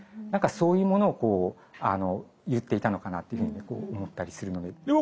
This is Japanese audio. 何かそういうものをこう言っていたのかなというふうに思ったりするので。